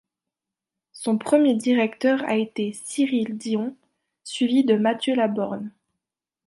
Son premier directeur a été Cyril Dion, suivi de Matthieu Laborne.